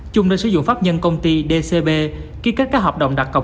chung đơn sử dụng pháp nhân công ty dcb ký kết các hợp đồng đặc cộc